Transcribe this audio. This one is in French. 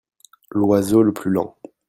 L'oiseau le plus lent.